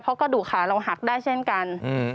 เพราะกระดูกขาเราหักได้เช่นกัน